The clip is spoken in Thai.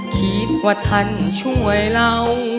คิดว่าท่านช่วยเรา